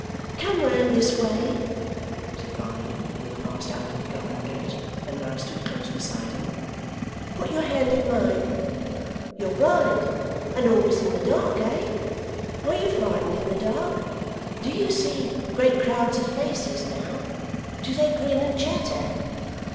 'Come round this way,' said Barnaby, who had passed out at the garden gate and now stood close beside him. 'Put your hand in mine. You're blind and always in the dark, eh? Are you frightened in the dark? Do you see great crowds of faces, now? Do they grin and chatter?